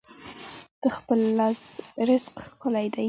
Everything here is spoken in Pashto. د خپل لاس رزق ښکلی وي.